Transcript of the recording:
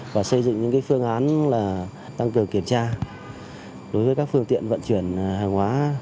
và xây dựng những phương án tăng cường kiểm tra đối với các phương tiện vận chuyển hàng hóa